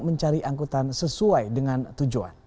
mencari angkutan sesuai dengan tujuan